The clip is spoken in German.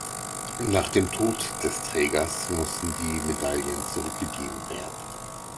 Nach dem Tod des Trägers mussten die Medaillen zurückgegeben werden.